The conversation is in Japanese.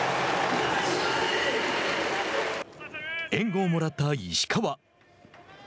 援護をもらった石川。